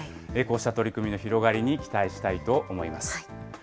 こうした取り組みの広がりに期待したいと思います。